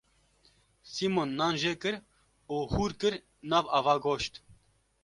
Sîmon nan jêkir û hûr kir nav ava goşt.